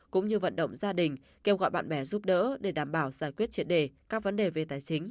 cũng như vận động gia đình kêu gọi bạn bè giúp đỡ để đảm bảo giải quyết triệt đề các vấn đề về tài chính